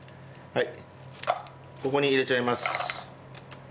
はい。